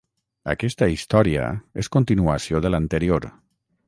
Aquesta història és continuació de l'anterior.